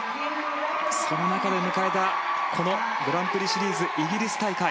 その中で迎えたこのグランプリシリーズイギリス大会。